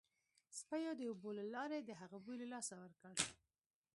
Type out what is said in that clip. سپیو د اوبو له لارې د هغه بوی له لاسه ورکړ